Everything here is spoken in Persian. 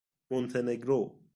مونتهنگرو